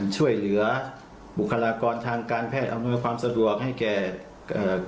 ช่วยเหลือบุคลากรทางการแพทย์อำนวยความสะดวกให้แก่เอ่อ